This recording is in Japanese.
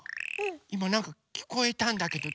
いまなんかきこえたんだけど。